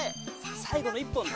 最後の１本だね。